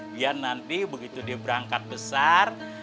biar nanti begitu dia berangkat besar